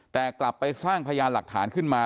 แต่กลับไปสร้างพยานหลักฐานขึ้นมา